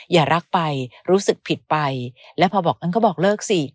อย่ารักไปรู้สึกผิดไปแล้วพอบอกเออก็บอกเลิกสิ